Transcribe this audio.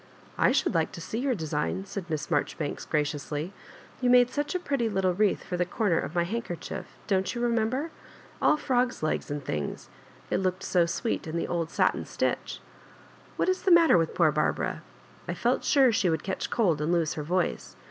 "I should like to see your design, said Miss Harjoribanks, graciously. "You made such a pretty littie wreath for the comer of my hand kerchief—don't you remember? — all fh>gs' legs and things. It lopked so sweet in the old satin stitchi What is the matter with poor Barbara? I felt sure she would catch cold and lose her voice.